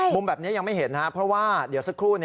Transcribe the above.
มุมแบบนี้ยังไม่เห็นนะครับเพราะว่าเดี๋ยวสักครู่